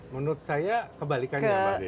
menurut saya kebalikannya mbak dewi